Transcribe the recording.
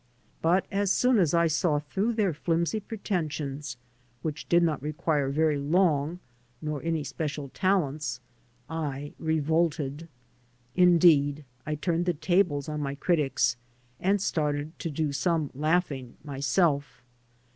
But as soon as I saw through their flimsy pretensions — which did not require very long, nor any special talents — ^I revolted. Indeed, I turned the tables on my critics, and started to do some laughing myself.